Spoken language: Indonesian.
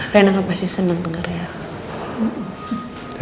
reina pasti seneng denger ya